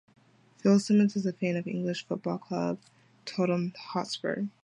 Phil Simmons is a fan of English football club Tottenham Hotspur.